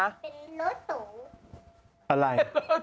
อะไร